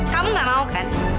kamu nggak mau kan